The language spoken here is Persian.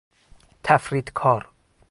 تفریط کار